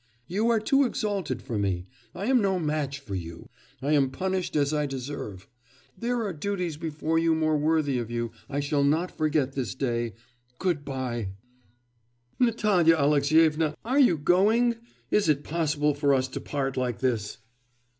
You are too exalted for me; I am no match for you.... I am punished as I deserve. There are duties before you more worthy of you. I shall not forget this day.... Good bye.' 'Natalya Alexyevna, are you going? Is it possible for us to part like this?